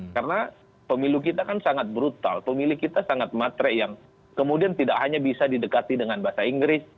karena pemilu kita kan sangat brutal pemilih kita sangat matre yang kemudian tidak hanya bisa didekati dengan bahasa inggris